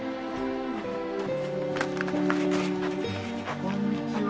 こんにちは。